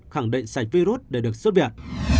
khẳng định sạch virus để được xuất viện